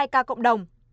hai ca cộng đồng